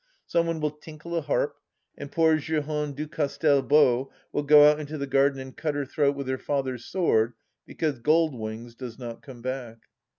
Some one will tinkle a harp ... and poor Jehane Du Castel Beau will go out into the garden and cut her throat with her father's sword because Gold Wings does not come back.